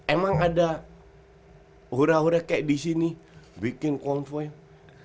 emang ada hura hura kayak disini bikin konvo ya